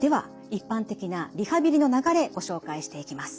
一般的なリハビリの流れご紹介していきます。